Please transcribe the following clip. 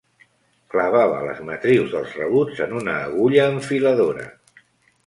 Clavava les matrius dels rebuts en una agulla enfiladora.